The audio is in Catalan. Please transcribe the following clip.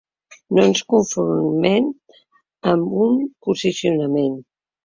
No ens conformem amb un posicionament.